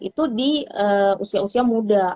itu di usia usia muda